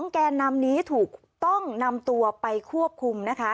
แกนนำนี้ถูกต้องนำตัวไปควบคุมนะคะ